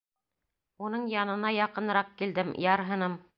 Уның янына яҡыныраҡ килдем, ярһыным.